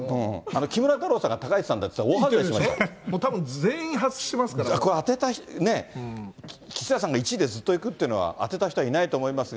木村太郎さんが高市さんだって言って、これは当てたね、岸田さんが１位でずっといくっていうのは当てた人はいないと思いますが。